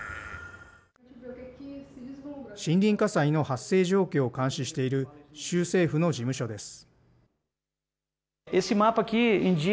森林火災の発生状況を監視している州政府の事務所です。